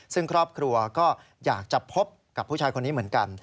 ซึ่งครอบครัวก็อยากจะพบกับผู้ชายคนนี้เหมือนกัน